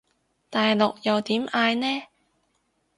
大陸又點嗌呢？